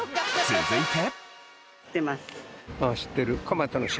続いて。